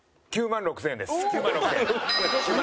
９万６０００円です。